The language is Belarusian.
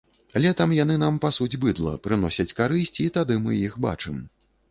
Летам яны нам пасуць быдла, прыносяць карысць, і тады мы іх бачым.